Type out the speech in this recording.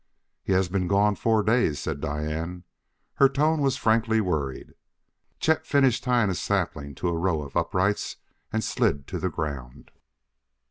"He has been gone four days," said Diane. Her tone was frankly worried. Chet finished tying a sapling to a row of uprights and slid to the ground.